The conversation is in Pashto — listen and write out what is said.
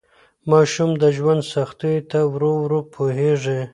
ماشوم د ژوند سختیو ته ورو ورو پوهیږي.